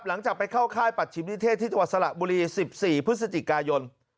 หลังจากไปเข้าค่ายปัชชิมนิเทศที่จังหวัดสระบุรี๑๔พฤศจิกายน